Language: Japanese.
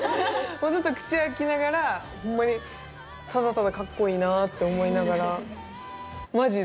ずっと口開きながらほんまにただただかっこいいなって思いながら。